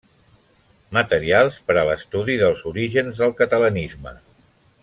Materials per a l’estudi dels orígens del catalanisme.